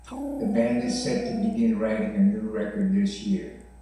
The band is set to begin writing a new record this year.